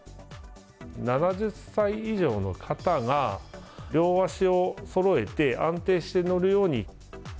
７０歳以上の方が両足をそろえて安定して乗るように。